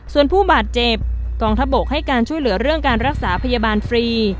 ส่วนผู้บาดเจ็บกองทัพบกให้การช่วยเหลือเรื่องการรักษาพยาบาลฟรี